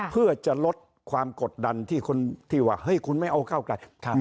เพื่อจะลดความกดดันที่คนที่ว่าเฮ้ยคุณไม่เอาก้าวไกล